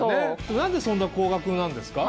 何でそんな高額なんですか？